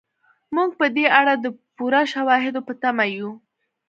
موږ په دې اړه د پوره شواهدو په تمه یو.